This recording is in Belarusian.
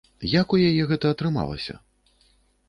Як у яе гэта атрымалася?